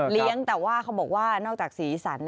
เลี้ยงแต่ว่าเขาบอกว่านอกจากสีอิสรัน